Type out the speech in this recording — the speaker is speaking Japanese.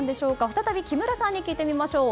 再び木村さんに聞いてみましょう。